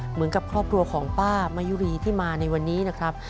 เหมือนกับครอบครัวของป้ามายุรีที่มาในวันนี้นะครับ